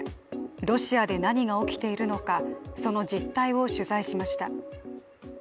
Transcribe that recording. ロシアで何が起きているのかその実態を取材しました。